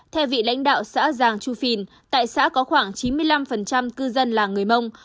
theo vị lãnh đạo xã giàng chu phìn tại xã có khoảng chín mươi năm cư dân là người mông